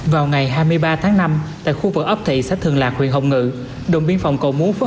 vào ngày hai mươi ba tháng năm tại khu vực ấp thị xã thường lạc huyện hồng ngự đồn biên phòng cầu mú với